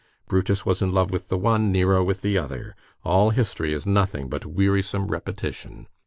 Brutus was in love with the one, Nero with the other. All history is nothing but wearisome repetition.